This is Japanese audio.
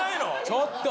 ちょっと！